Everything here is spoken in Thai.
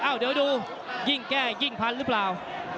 เดี๋ยวดูยิ่งแก้ยิ่งพันหรือเปล่า